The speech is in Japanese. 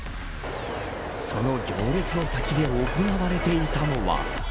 その行列の先で行われていたのは。